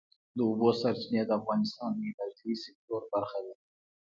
د اوبو سرچینې د افغانستان د انرژۍ سکتور برخه ده.